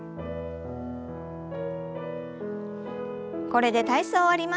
これで体操を終わります。